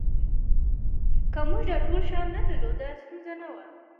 که موږ دا ټول شیان نه درلودل ستونزه نه وه